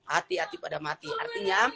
hati hati pada mati artinya